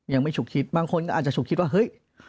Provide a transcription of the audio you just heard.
ฉุกคิดบางคนอาจจะฉุกคิดว่าเฮ้ย